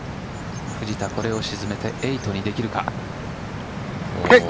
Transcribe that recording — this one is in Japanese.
藤田、これを沈めて８にできるか。